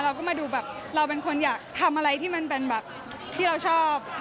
เราก็มาดูแบบเราเป็นคนอยากทำอะไรที่เราชอบ